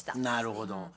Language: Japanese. なるほど。